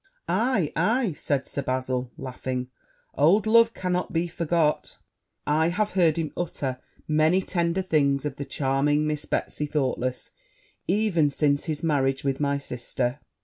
'Aye, aye!' said Sir Bazil, laughing; 'old love cannot be forgot: I have heard him utter many tender things of the charming Miss Betsy Thoughtless, even since his marriage with my sister.'